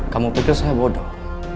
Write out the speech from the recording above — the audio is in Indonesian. kamu pikir saya bodoh